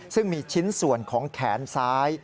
ซึ่งมีชิ้นส่วนของแขนซ้าย